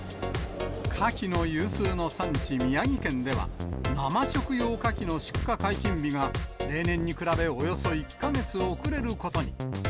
カキの有数の産地、宮城県では、生食用カキの出荷解禁日が、例年に比べ、およそ１か月遅れることに。